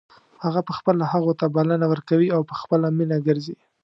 هغه په خپله هغو ته بلنه ورکوي او په خپله مینه ګرځي.